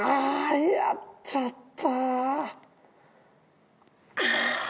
やっちゃった。